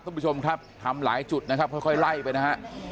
คุณผู้ชมครับทำหลายจุดนะครับค่อยไล่ไปนะฮะ